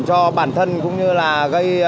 cho bản thân cũng như là gây